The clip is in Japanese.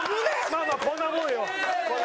まあまあこんなもんよ。